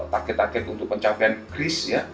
target target untuk pencapaian kris ya